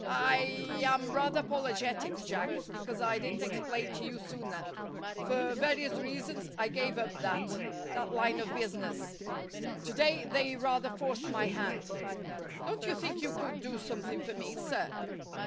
I I am rather apologetic, Jack, because I didn't explain to you sooner. For various reasons I gave up that that line of business. To day they rather forced my hand." "Don't you think you could do something for me, sir?"